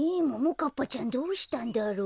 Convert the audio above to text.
かっぱちゃんどうしたんだろう？